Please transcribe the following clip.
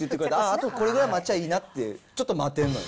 あとこれぐらい待ちゃぁいいなって、ちょっと待てんのよ。